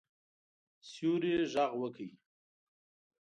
سیوري غږ وکړ.